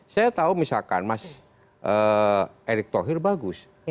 saya tahu misalkan mas erick thohir bagus